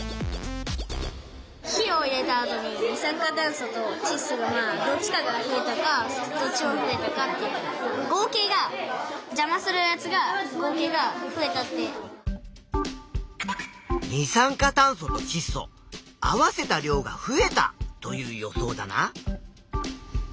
火を入れた後に二酸化炭素とちっ素合わせた量が増えたという予想だな。